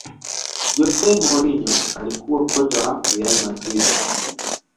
jose mourinho alikuwa kocha wa real madridhi